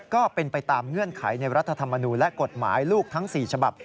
ก็เป็นไปตามเงื่อนไขในรัฐธรรมนูลและกฎหมายลูกทั้ง๔ฉบับ